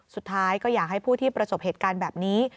สุดท้ายก็อยากให้ผู้ที่ประสบเหตุการณ์แบบนี้